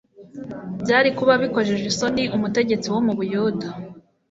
Byari kuba bikojeje isoni umutegetsi wo mu Bayuda